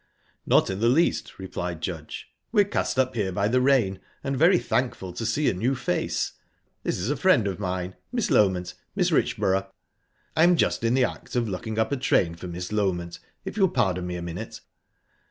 "Not in the least," replied Judge. "We're cast up here by the rain, and very thankful to see a new face. This is a friend of mine ...Miss Loment Mrs. Richborough...I'm just in the act of looking up a train for Miss Loment, if you'll pardon me a minute."